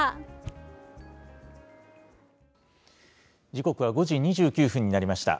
時刻は５時２９分になりました。